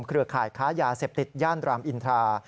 เครือข่ายค้ายาเสพติดย่านรามอินทรา